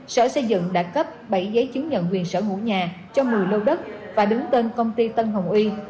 sở xây dựng đã cấp bảy giấy chứng nhận quyền sở hữu nhà cho một mươi lô đất và đứng tên công ty tân hồng uy